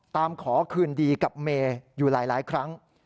ขอคืนดีกับเมย์อยู่หลายครั้ง